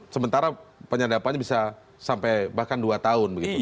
sementara penyadapannya bisa sampai bahkan dua tahun begitu